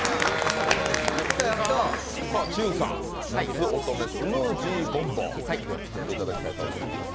なつおとめスムージーボンボン、作っていただきたいと思います。